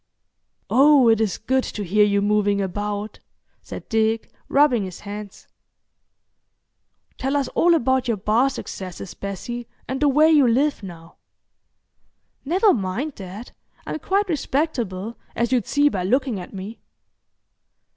"Oh! it is good to hear you moving about," said Dick, rubbing his hands. "Tell us all about your bar successes, Bessie, and the way you live now." "Never mind that. I'm quite respectable, as you'd see by looking at me.